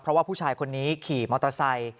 เพราะว่าผู้ชายคนนี้ขี่มอเตอร์ไซค์